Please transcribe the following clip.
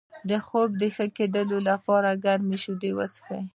د خوب د ښه کیدو لپاره ګرمې شیدې وڅښئ